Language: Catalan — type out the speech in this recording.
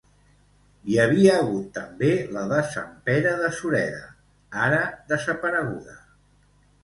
Hi havia hagut també la de Sant Pere de Sureda, ara desapareguda.